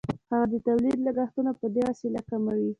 هغه د تولید لګښتونه په دې وسیله کموي